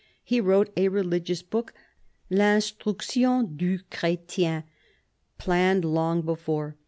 He wrote a religious book, L'Instruction du Chretien, planned long before.